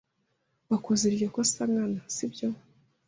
Wakoze iryo kosa nkana, sibyo?